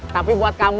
tapi buat kamu